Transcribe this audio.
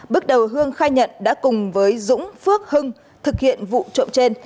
bước đầu hưng khai nhận đã cùng với dũng phước hưng thực hiện vụ trộm trên